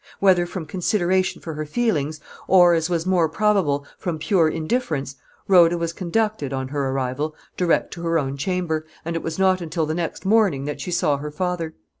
Whether from consideration for her feelings, or, as was more probable, from pure indifference, Rhoda was conducted, on her arrival, direct to her own chamber, and it was not until the next morning that she saw her father.